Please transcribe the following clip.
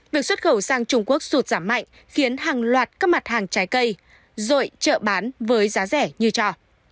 việc xuất khẩu sang trung quốc sụt giảm mạnh khiến hàng loạt các mặt hàng trái cây rội chợ bán với giá rẻ như cho